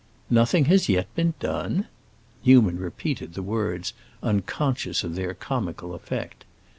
"Nothing has yet been done?" Newman repeated the words, unconscious of their comical effect.